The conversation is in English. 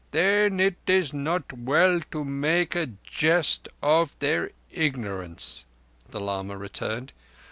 "Then it is not well to make a jest of their ignorance," the lama returned.